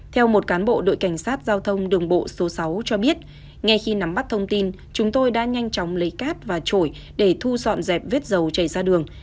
theo một cán bộ đội cảnh sát giao thông đường bộ số sáu cho biết ngay khi nắm bắt thông tin chúng tôi đã nhanh chóng lấy cát và trổi để thu dọn dẹp vết dầu chảy ra đường